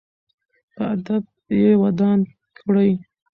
په ادب یې ودان کړئ.